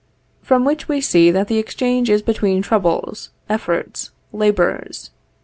From which we see that the exchange is between troubles, efforts, labors.